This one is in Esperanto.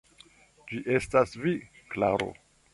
Ĝi estas vi, Klaro!